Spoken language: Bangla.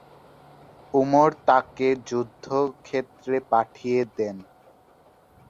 উমর তাকে যুদ্ধক্ষেত্রে পাঠিয়ে দেন।